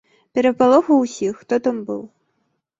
Перапалохаў усіх, хто там быў.